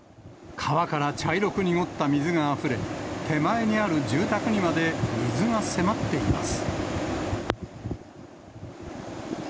川から茶色く濁った水があふれ、手前にある住宅にまで水が迫っています。